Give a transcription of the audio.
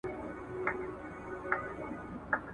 خو پوهېږم چی زړگی مي غولومه !.